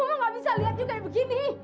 mama gak bisa liat yuk kayak begini